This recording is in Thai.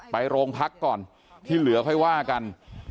ไปโรงพักก่อนที่เหลือค่อยว่ากัน